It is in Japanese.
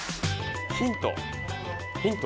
ヒント。